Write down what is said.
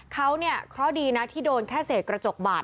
เขาเนี่ยเขาดีนะที่โดนแค่เสียกระจกบาด